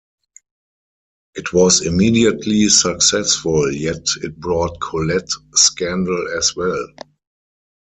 It was immediately successful, yet it brought Colette scandal as well.